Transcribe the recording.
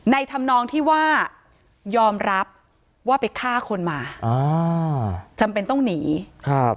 ธรรมนองที่ว่ายอมรับว่าไปฆ่าคนมาอ่าจำเป็นต้องหนีครับ